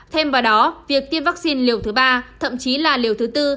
thêm vào đó việc tiêm vaccine liều thứ ba thậm chí là liều thứ tư